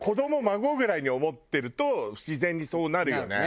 孫ぐらいに思ってると自然にそうなるよね。